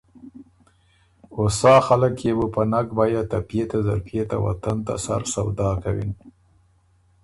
او سا خلق يې بُو په نک بیعه ته پيے ته زلپئے ته وطن ته سر سودا کِون۔